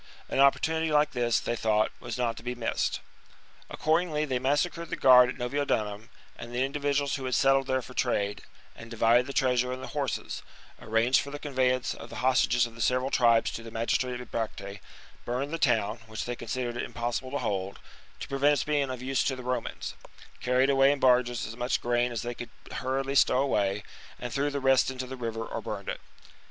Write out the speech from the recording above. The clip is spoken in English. An opportunity like this, they thought, was not to be missed. Accordingly they massacred the guard at Noviodunum and the individuals who h^d settled there for trade, and divided the treasure and the horses ; arranged for the conveyance of the hostages of the several tribes to the magistrate at Bibracte ; burned the town, which they considered it impossible to hold, to prevent its being of use to the Romans ; carried away in barges as much grain as they could hurriedly stow away ; and threw the rest into the river or burned it.